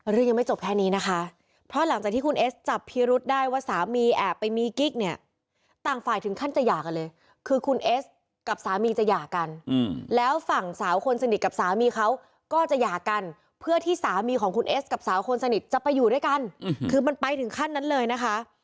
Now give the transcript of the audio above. เรื่องยังไม่จบแค่นี้นะคะเพราะหลังจากที่คุณเอสจับพิรุษได้ว่าสามีแอบไปมีกิ๊กเนี่ยต่างฝ่ายถึงขั้นจะหย่ากันเลยคือคุณเอสกับสามีจะหย่ากันแล้วฝั่งสาวคนสนิทกับสามีเขาก็จะหย่ากันเพื่อที่สามีของคุณเอสกับสาวคนสนิทจะไปอยู่ด้วยกันคือมันไปถึงขั้นนั้นเลยนะคะ